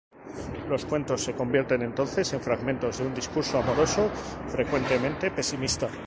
Los cuentos se convierten entonces en fragmentos de un discurso amoroso frecuentemente pesimista.